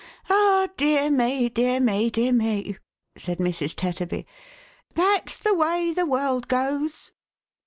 " Ah, dear me, dear me, dear me !" said Mrs. Tetterby. " That's the way the world goes